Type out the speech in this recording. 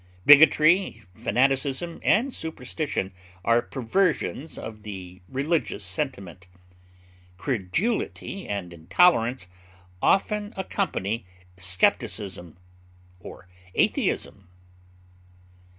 Bigotry, fanaticism, and superstition are perversions of the religious sentiment; credulity and intolerance often accompany skepticism or atheism.